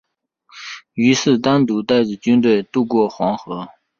于是单独带着军队渡过黄河。